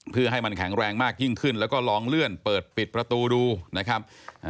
เพื่อให้มันแข็งแรงมากยิ่งขึ้นแล้วก็ลองเลื่อนเปิดปิดประตูดูนะครับ